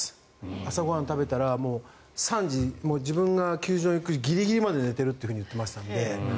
朝ご飯を食べたら３時自分が球場に行くギリギリまで寝ていると言ってましたので。